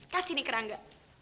kasih nih ke rangga